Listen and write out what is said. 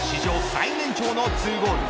最年長の２ゴール